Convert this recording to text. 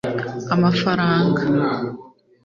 amafranga